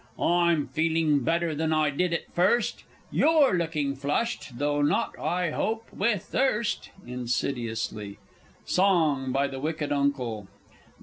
I'm feeling better than I did at first You're looking flushed, though not, I hope, with thirst? [Insidiously. Song, by the Wicked Uncle.